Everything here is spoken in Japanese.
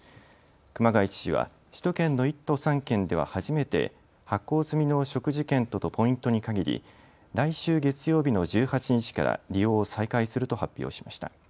熊谷知事は首都圏の１都３県では初めて発行済みの食事券とポイントに限り、来週月曜日の１８日から利用を再開すると発表しました。